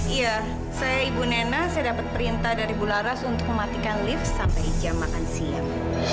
iya saya ibu nena saya dapat perintah dari bu laras untuk mematikan lift sampai jam makan siang